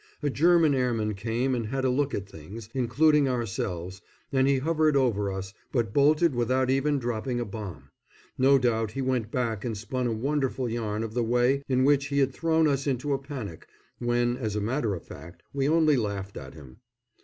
A German airman came and had a look at things, including ourselves, and he hovered over us, but bolted without even dropping a bomb. No doubt he went back and spun a wonderful yarn of the way in which he had thrown us into a panic, when, as a matter of fact, we only laughed at him.